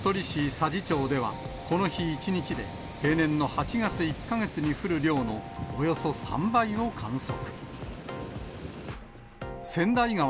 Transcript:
佐治町では、この日１日で平年の８月１か月に降る量のおよそ３倍を観測。